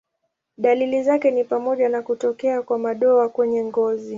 Dalili zake ni pamoja na kutokea kwa madoa kwenye ngozi.